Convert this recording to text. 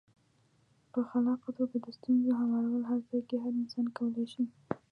په خلاقه توګه د ستونزو هوارول هر ځای کې هر انسان کولای شي.